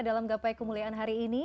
dalam gapai kemuliaan hari ini